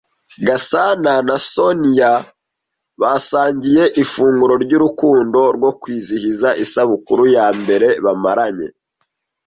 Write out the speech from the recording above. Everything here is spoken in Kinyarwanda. Gasana na Soniya basangiye ifunguro ryurukundo rwo kwizihiza isabukuru yambere bamaranye.